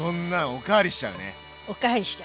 お代わりしちゃうね。